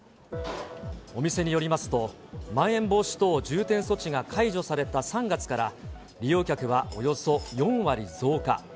お店によりますと、まん延防止等重点措置が解除された３月から、利用客はおよそ４割増加。